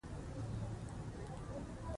د ولس رایه بدلون راولي